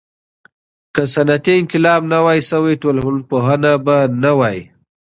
که صنعتي انقلاب نه وای سوی، ټولنپوهنه به نه وای.